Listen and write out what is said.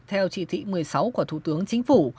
theo chỉ thị một mươi sáu của thủ tướng chính phủ